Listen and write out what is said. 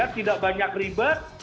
tidak banyak ribet